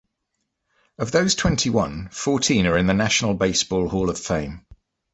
Of those twenty-one, fourteen are in the National Baseball Hall of Fame.